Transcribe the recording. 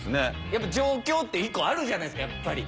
やっぱ上京って１個あるじゃないですかやっぱり。